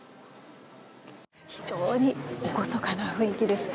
非常に厳かな雰囲気です。